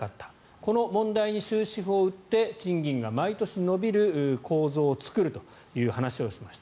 この問題に終止符を打って賃金が毎年伸びる構造を作るというお話をされました。